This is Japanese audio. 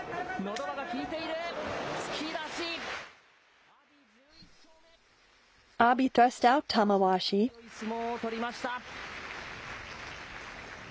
力強い相撲を取りました。